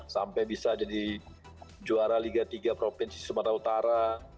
sampai bisa jadi juara liga tiga provinsi sumatera utara